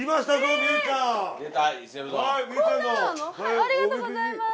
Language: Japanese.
ありがとうございます。